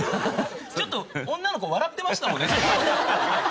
ちょっと女の子笑ってましたもんね。